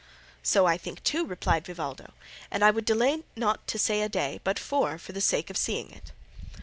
"So I think too," replied Vivaldo, "and I would delay not to say a day, but four, for the sake of seeing it."